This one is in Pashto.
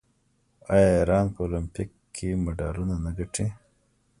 آیا ایران په المپیک کې مډالونه نه ګټي؟